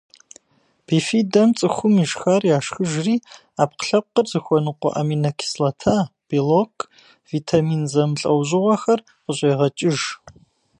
Бифидэм цӏыхум ишхар яшхыжри, ӏэпкълъэпкъыр зыхуэныкъуэ аминокислота, белок, витамин зэмылӏэужьыгъуэхэр къыщӏегъэкӏыж.